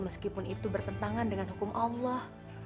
meskipun itu bertentangan dengan hukum allah